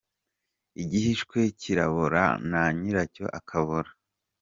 Igihiswe kirabora na nyiracyo akabora.